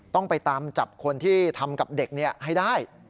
ต้องไปตามจับคนที่ทำกับเด็กให้ได้